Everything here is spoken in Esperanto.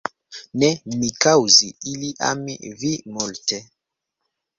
Ne, mi kaŭzi ili ami vi multe.